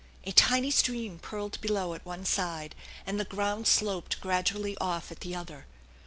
A tiny stream purled below at one side, and the ground sloped gradually off at the other.